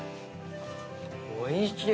おいしい。